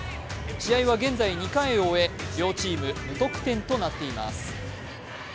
試合は現在２回を終え、両チーム無得点となっています。